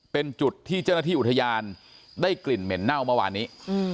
เป็นจุดที่เจ้าหน้าที่อุทยานได้กลิ่นเหม็นเน่าเมื่อวานนี้